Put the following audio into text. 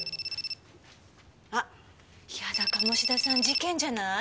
あっやだ鴨志田さん事件じゃない？